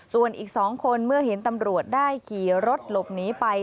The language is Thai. ส่วนอีก๒คนเมื่อเห็นตำรวจได้ขี่รถหลบหนีไป